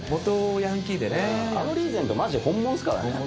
あのリーゼントマジで本物ですからね。